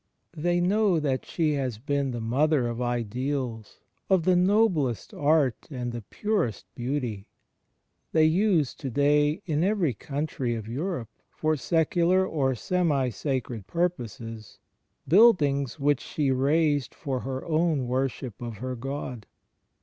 They know that she has been the mother of ideals, of the noblest art and the purest beauty. They use to day, in every country of Europe, for secular or semi sacred purposes, buildings which she raised for her own worship of her God.